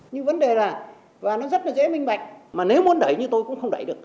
nhưng vấn đề là và nó rất là dễ minh bạch mà nếu muốn đẩy như tôi cũng không đẩy được